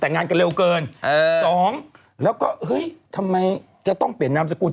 แต่งงานกันเร็วเกินเออสองแล้วก็เฮ้ยทำไมจะต้องเปลี่ยนนามสกุล